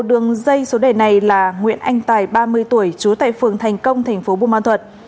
đường dây số đề này là nguyễn anh tài ba mươi tuổi trú tại phường thành công thành phố bù man thuật